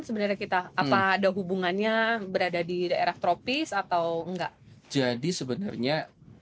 sebenarnya kita apa ada hubungannya berada di daerah tropis atau enggak jadi sebenarnya